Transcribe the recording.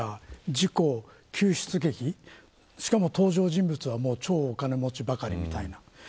事故、救出劇しかも登場人物は超お金持ちばかり。